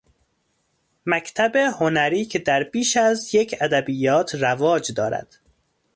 مکتب هنری که در بیش از یک ادبیات رواج دارد